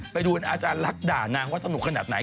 ไปดูอาจารย์ลักษณ์ด่านางว่าสนุกขนาดไหน